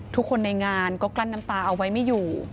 ทุกคนในงานก็กลั้นน้ำตาเอาไว้ไม่อยู่